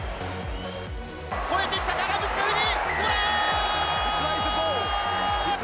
越えてきた、ラブスカフニ。